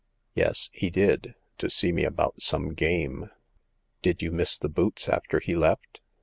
*'" Yes, he did ; to see me about some game." Did you miss the boots after he left